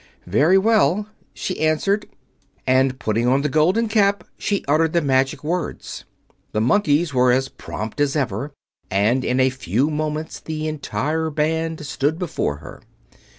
"Very well," she answered, and putting on the Golden Cap she uttered the magic words. The Monkeys were as prompt as ever, and in a few moments the entire band stood before her.